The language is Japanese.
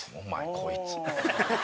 こいつさ。